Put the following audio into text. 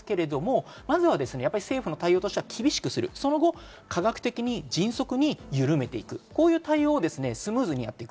まずは政府の対応として厳しくする、科学的に迅速的にゆるめていく、こういった対応をスムーズにやっていく。